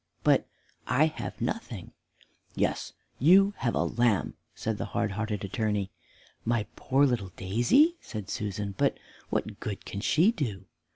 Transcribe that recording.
but I have nothing." "Yes, you have a lamb," said the hard hearted Attorney. "My poor little Daisy!" said Susan; "but what good can she do?"